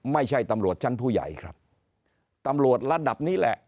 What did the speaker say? ไม่ใช่ตำรวจชั้นผู้ใหญ่ครับตำรวจระดับนี้แหละ